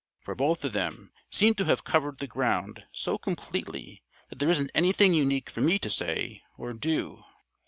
"For both of them seem to have covered the ground so completely that there isn't anything unique for me to say or do.